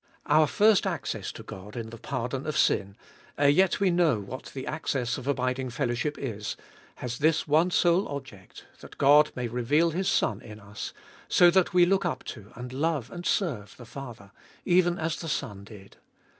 Our first access to God in the pardon of sin, ere yet we know what the access of abiding fellowship is, has this one sole object that God may reveal His Son in us, so that we look up to and love and serve the Father, even as the Son did.